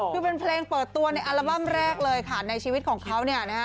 คือเป็นเพลงเปิดตัวในอัลบั้มแรกเลยค่ะในชีวิตของเขาเนี่ยนะฮะ